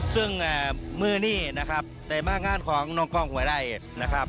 ซึ่งมือนี้นะครับในมางานของน้องกล้องหวยไร่นะครับ